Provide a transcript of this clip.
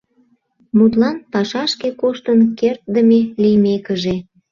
Мутлан, пашашке коштын кертдыме лиймекыже.